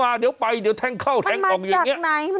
เจอยังไง